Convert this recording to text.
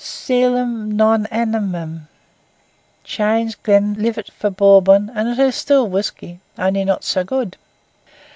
Coelum non animam. Change Glenlivet for Bourbon, and it is still whisky, only not so good.